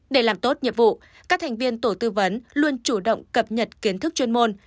để làm tốt nhiệm vụ các thành viên tổ tư vấn luôn chủ động cập nhật kiến thức chuyên môn